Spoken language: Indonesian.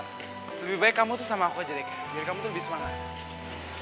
lebih baik kamu tuh sama aku aja deh jadi kamu tuh lebih semangat